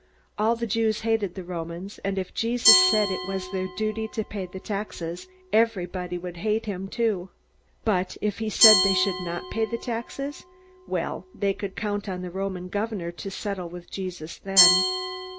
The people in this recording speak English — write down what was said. All the Jews hated the Romans, and if Jesus said that it was their duty to pay the taxes, everybody would hate him too. But if he said they should not pay the taxes well, they could count on the Roman governor to settle with Jesus then.